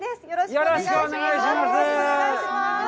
よろしくお願いします。